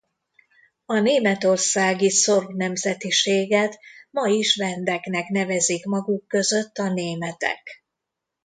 A németországi szorb nemzetiséget ma is vendeknek nevezik maguk között a németek.